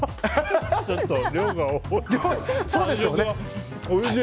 ちょっと、量が多い。